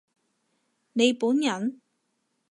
你本人？